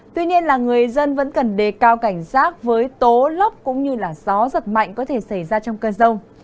tuy nhiên là người dân vẫn cần đề cao cảnh giác với tố lốc cũng như gió giật mạnh có thể xảy ra trong cơn rông